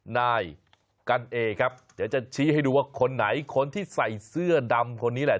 นายกันเอครับเดี๋ยวจะชี้ให้ดูว่าคนไหนคนที่ใส่เสื้อดำคนนี้แหละ